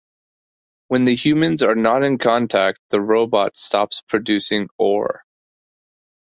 When the humans are not in contact, the robot stops producing ore.